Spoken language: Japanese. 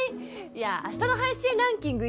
いや明日の配信ランキング